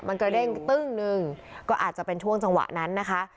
มันกระเด้งตึ้งหนึ่งก็อาจจะเป็นช่วงจังหวะนั้นนะคะ